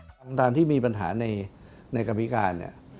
ดังที่มีปัญหาในกรรพิการ